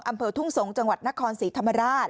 อำเภอทุ่งสงศ์จังหวัดนครศรีธรรมราช